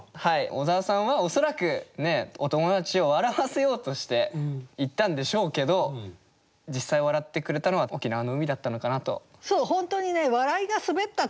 小沢さんは恐らくお友達を笑わせようとして行ったんでしょうけど実際笑ってくれたのは沖縄の海だったのかなと。